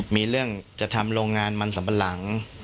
มีเรื่องจะทำโรงงานมันสัมปะหลัง